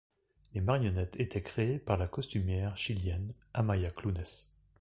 Les marionnettes étaient créées par la costumière chilienne Amaya Clunes.